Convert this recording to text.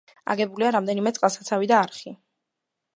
აგებულია რამდენიმე წყალსაცავი და არხი.